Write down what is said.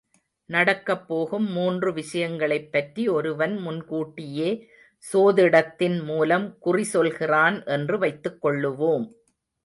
நடக்கப் போகும் மூன்று விஷயங்களைப் பற்றி ஒருவன் முன்கூட்டியே சோதிடத்தின் மூலம் குறி சொல்கிறான் என்று வைத்துக் கொள்ளுவோம்.